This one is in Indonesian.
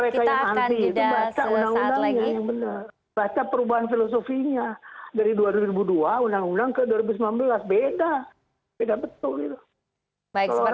kalau segi hukum sudah absolut benar